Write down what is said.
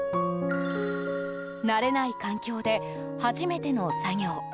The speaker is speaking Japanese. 慣れない環境で、初めての作業。